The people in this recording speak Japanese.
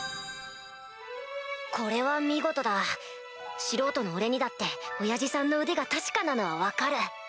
これは見事だ素人の俺にだってオヤジさんの腕が確かなのは分かる。